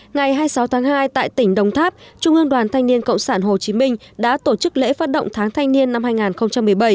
ngày hai mươi sáu tháng hai tại tỉnh đồng tháp trung ương đoàn thanh niên cộng sản hồ chí minh đã tổ chức lễ phát động tháng thanh niên năm hai nghìn một mươi bảy